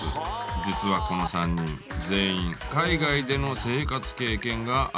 実はこの３人全員海外での生活経験があるんです。